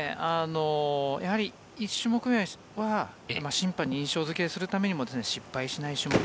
やはり１種目目は審判に印象付けするためにも失敗しない種目。